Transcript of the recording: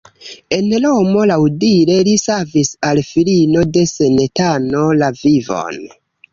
En Romo laŭdire li savis al filino de senatano la vivon.